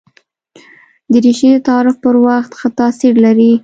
دریشي د تعارف پر وخت ښه تاثیر لري.